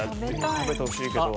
食べてほしいけど。